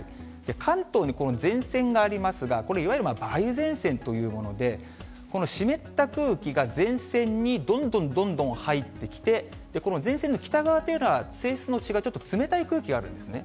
関東にこの前線がありますが、これ、いわゆる梅雨前線というもので、この湿った空気が前線にどんどんどんどん入ってきて、この前線の北側というのは、性質の違う、ちょっと冷たい空気があるんですね。